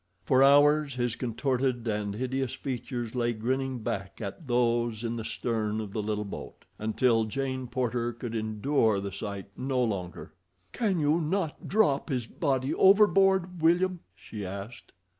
For hours his contorted and hideous features lay grinning back at those in the stern of the little boat, until Jane Porter could endure the sight no longer. "Can you not drop his body overboard, William?" she asked.